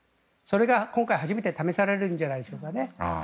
それが今回初めて試されるんじゃないですかね。